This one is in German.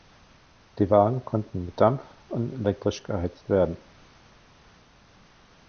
Die Wagen konnten mit Dampf und elektrisch geheizt werden.